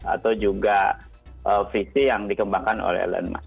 atau juga visi yang dikembangkan oleh elon musk